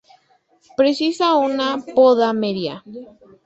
Precisa una poda media.